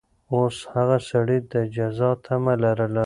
اوس هغه سړي د جزا تمه لرله.